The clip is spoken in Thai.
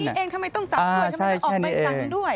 เองทำไมต้องจับด้วยทำไมต้องออกใบสั่งด้วย